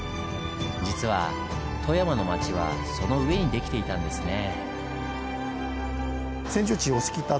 実は富山の町はその上に出来ていたんですねぇ。